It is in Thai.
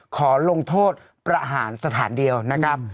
ขอลงโทษประหารสถานเดียวนะครับ